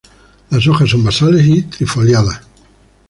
La hojas son basales y trifoliadas.